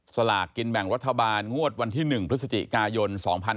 สลากกินแบ่งรัฐบาลงวดวันที่๑พฤศจิกายน๒๕๖๒